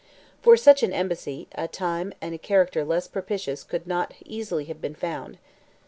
For such an embassy, a time and character less propitious could not easily have been found.